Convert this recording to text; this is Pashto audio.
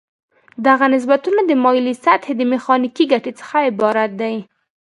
دغه نسبتونه د مایلې سطحې د میخانیکي ګټې څخه عبارت دي.